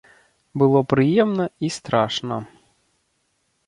Было прыемна і страшна.